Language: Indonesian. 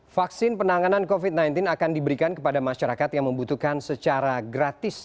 vaksin penanganan covid sembilan belas akan diberikan kepada masyarakat yang membutuhkan secara gratis